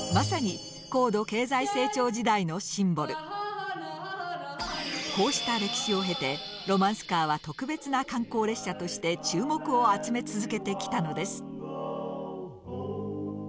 まさにこうした歴史を経てロマンスカーは特別な観光列車として注目を集め続けてきたのです。